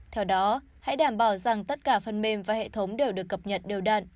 theo đó hãy đảm bảo rằng tất cả phần mềm và hệ thống đều được cập nhật đều đạn